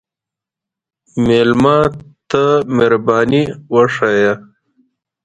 مېلمه ته مهرباني وښیه.